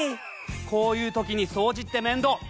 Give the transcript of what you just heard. こういう時に掃除って面倒。